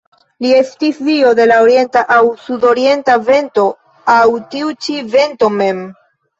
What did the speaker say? Li estis dio de la orienta aŭ sudorienta vento aŭ tiu ĉi vento mem.